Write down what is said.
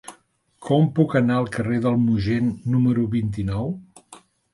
Com puc anar al carrer del Mogent número vint-i-nou?